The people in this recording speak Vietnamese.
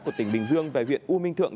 của tỉnh bình dương về huyện u minh thượng